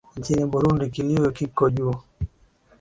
nchini burundi kilio kiko juu